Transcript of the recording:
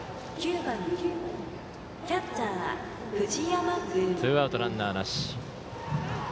ツーアウト、ランナーなし。